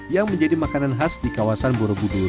yang menjadi makanan khas di kawasan borobudur